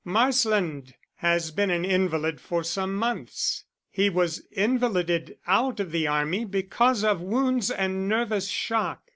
Marsland has been an invalid for some months. He was invalided out of the army because of wounds and nervous shock.